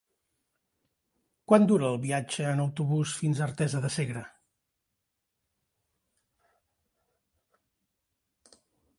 Quant dura el viatge en autobús fins a Artesa de Segre?